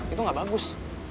itu gak bagus